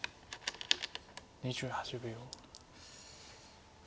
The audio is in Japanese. ２８秒。